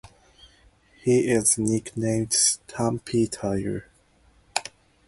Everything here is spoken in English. He is nicknamed "Stumpy Tiger".